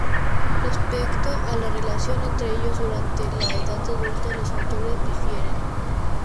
Respecto a la relación entre ellos durante la edad adulta, los autores difieren.